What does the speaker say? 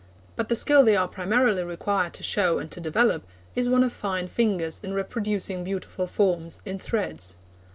But the skill they are primarily required to show and to develop is one of fine fingers in reproducing beautiful forms in threads.